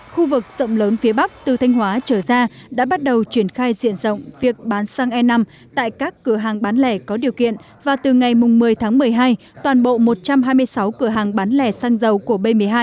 khu vực rộng lớn phía bắc từ thanh hóa trở ra đã bắt đầu triển khai diện rộng việc bán xăng e năm tại các cửa hàng bán lẻ có điều kiện và từ ngày một mươi tháng một mươi hai toàn bộ một trăm hai mươi sáu cửa hàng bán lẻ xăng dầu của b một mươi hai